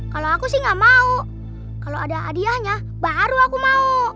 kalau aku sih gak mau kalau ada hadiahnya baru aku mau